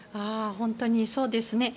本当にそうですね。